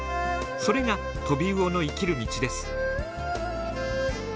それがトビウオの生きる道です。